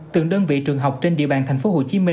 từng đơn vị trường học trên địa bàn tp hcm